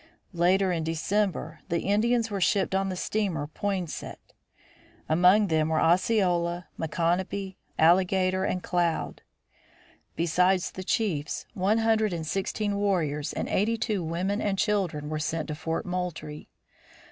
Late in December the Indians were shipped on the steamer Poinsett. Among them were Osceola, Micanopy, Alligator and Cloud. Besides the chiefs one hundred and sixteen warriors and eighty two women and children were sent to Fort Moultrie.